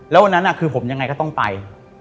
แล้ววันนั้นคือผมยังไงก็ต้องไป